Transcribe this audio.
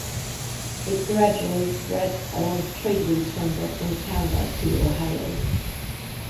It gradually spread along trade routes from western Canada to Ohio.